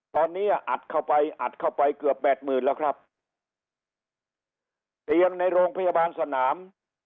ตอนนี้อัดเข้าไปอัดเข้าไปเกือบแปดหมื่นแล้วครับเตียงในโรงพยาบาลสนาม